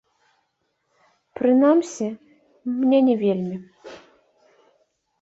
Прынамсі, мне не вельмі.